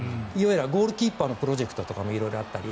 ゴールキーパーのプロジェクトとか色々あったり。